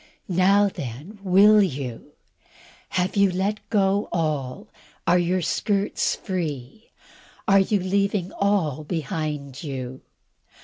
Now then, will you? Have you let go all? Are your skirts free? Are you leaving all behind you?